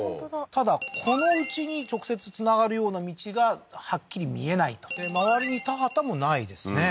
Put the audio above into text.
ただこのうちに直接繋がるような道がはっきり見えないとで周りに田畑も無いですね